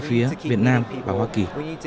từ phía việt nam và hoa kỳ